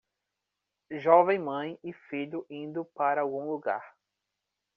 Jovem mãe e filho indo para algum lugar